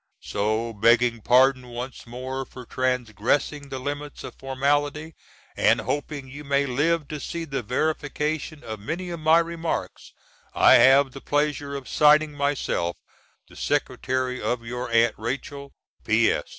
So, begging pardon once more for transgressing the limits of formality, and hoping you may live to see the verification of many of my remarks, I have the pleasure of signing myself THE SECRETARY OF YOUR AUNT RACHEL P.S.